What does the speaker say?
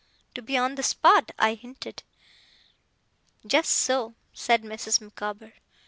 'To be on the spot,' I hinted. 'Just so,' said Mrs. Micawber.